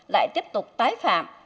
lại tiếp tục tái phạm